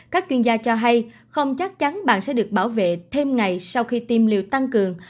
các chuyên gia cho hay không chắc chắn bạn sẽ được bảo vệ thêm ngày sau khi tiêm liều tăng cường